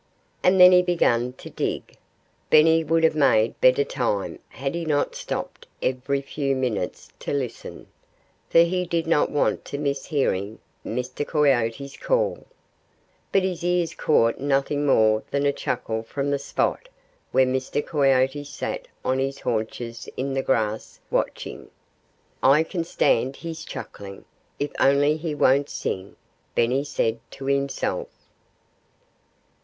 And then he began to dig. Benny would have made better time had he not stopped every few minutes to listen; for he did not want to miss hearing Mr. Coyote's call. But his ears caught nothing more than a chuckle from the spot where Mr. Coyote sat on his haunches in the grass, watching. [Illustration: Mr. Owl greets Benny very coldly.] "I can stand his chuckling if only he won't sing!" Benny said to himself.